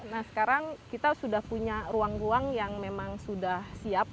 nah sekarang kita sudah punya ruang ruang yang memang sudah siap